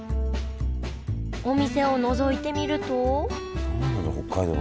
お店をのぞいてみるとどうなの？